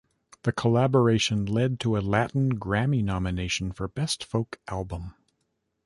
The collaboration led to a Latin Grammy Nomination for Best Folk Album.